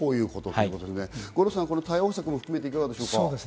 五郎さん、対応策も含めていかがですか？